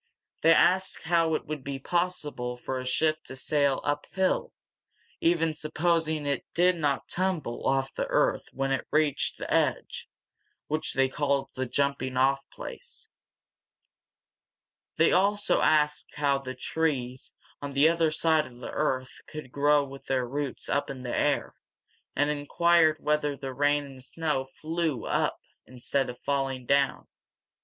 They asked how it would be possible for a ship to sail uphill, even supposing it did not tumble off the earth when it reached the edge, which they called the jumping off place. They also asked how the trees on the other side of the earth could grow with their roots up in the air, and inquired whether the rain and snow flew up instead of falling down.